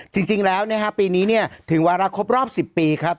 จริงแล้วปีนี้ถึงวารครบรอบ๑๐ปีครับ